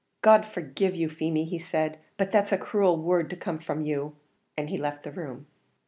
"God forgive you, Feemy," he said; "but that's a cruel word to come from you!" and he left the room.